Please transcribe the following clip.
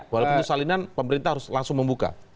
walaupun itu salinan pemerintah harus langsung membuka